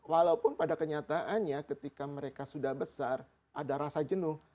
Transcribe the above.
walaupun pada kenyataannya ketika mereka sudah besar ada rasa jenuh